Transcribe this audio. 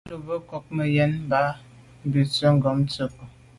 A lo mbe nkôg me yen mba busi ghom tshetku.